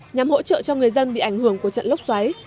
nhằm hỗ trợ cho người dân bị ảnh hưởng của trận lốc xoáy